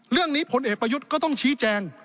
เรื่องนี้ผลเอกประยุทธ์ก็ต้องชี้แจง